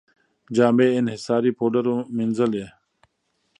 جامې یې انحصاري پوډرو مینځلې.